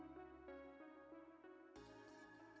สวัสดีครับ